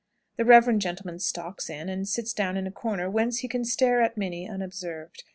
The reverend gentleman stalks in, and sits down in a corner, whence he can stare at Minnie unobserved.